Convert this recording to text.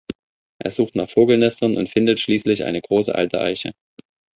Er sucht nach Vogelnestern und findet schließlich eine große, alte Eiche.